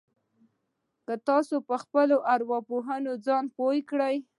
که تاسې په خپلې ارواپوهنې ځان پوه کړئ.